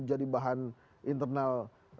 jadi bahan internal